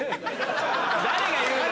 ・誰が言うの？